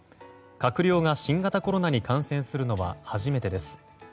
閣僚が新型コロナに感染するのは初めてです。